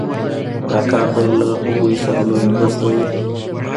دا کار به له هغوی سره لويه مرسته وي